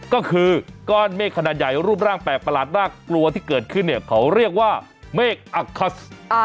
ก็คือก้อนเมฆขนาดใหญ่รูปร่างแปลกประหลาดน่ากลัวที่เกิดขึ้นเนี่ยเขาเรียกว่าเมฆอักคัส